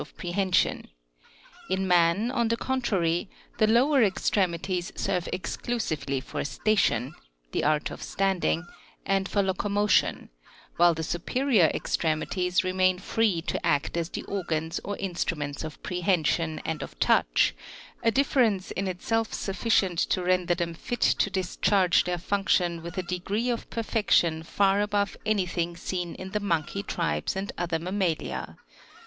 of prehension ; in man, on the con trary, the lower extremities serve exclusively for station, (the act of standing) and for locomotion, while the superior extremi ties remain free to act as the organs or instruments of prehen sion and of touch, a difference in itself sufficient to render them fit to discharge their function with a degree of perfection far above any thing seen in the monkey tribes and other mammalia.